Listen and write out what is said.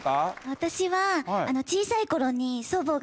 私は。